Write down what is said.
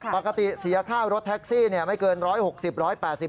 เสียค่ารถแท็กซี่ไม่เกิน๑๖๐๑๘๐บาท